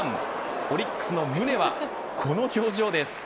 オリックスの宗はこの表情です。